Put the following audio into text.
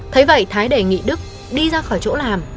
thấy vậy thái đề nghị đức đi ra khỏi chỗ làm